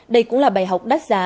đây cũng là bài học đắt giá